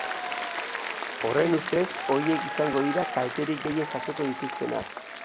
Horren ustez, horiek izango dira kalterik gehien jasoko dituztenak.